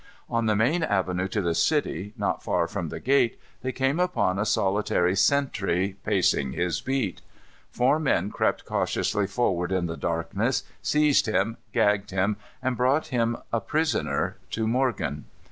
On the main avenue to the city, not far from the gate, they came upon a solitary sentry, pacing his beat. Four men crept cautiously forward in the darkness, seized him, gagged him, and brought him a prisoner to Morgan.